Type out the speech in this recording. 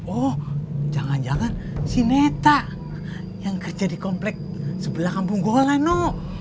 oh jangan jangan si neta yang kerja di komplek sebelah kampung gola nek